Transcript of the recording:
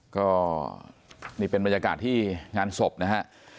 ก็นี่เป็นบรรยากาศที่งานศพนะฮะ